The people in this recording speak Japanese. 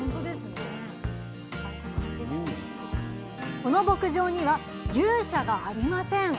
この牧場には牛舎がありません。